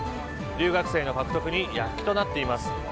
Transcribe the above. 留学生の獲得に躍起となっています。